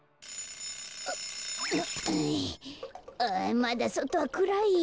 あまだそとはくらいよ。